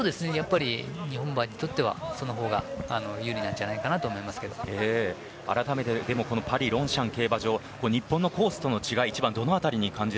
日本馬にとってはその方が有利なんじゃないかなとあらためてパリロンシャン競馬場日本のコースとの違い